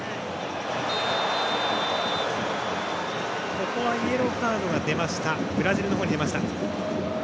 ここはイエローカードがブラジルの方に出ました。